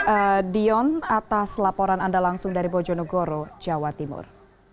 terima kasih dion atas laporan anda langsung dari bojonegoro jawa timur